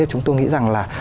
chúng tôi nghĩ rằng là